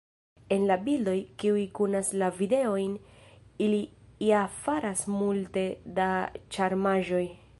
En la bildoj, kiuj kunas la videojn, ili ja faras multe da ĉarmaĵoj.